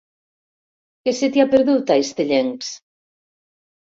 Què se t'hi ha perdut, a Estellencs?